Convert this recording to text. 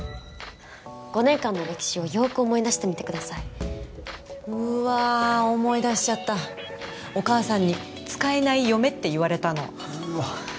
５年間の歴史をよく思い出してみてくださいうわ思い出しちゃったお義母さんに使えない嫁って言われたのうわ